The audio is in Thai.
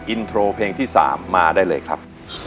อินโทรเพลงที่๓มาได้เลยครับ